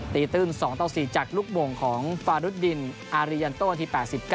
ตีตื้น๒๔จากลูกวงของฟารุดินอาริยันโตที๘๙